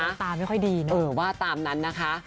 ตาไม่ค่อยดีนะเออว่าตามนั้นนะคะ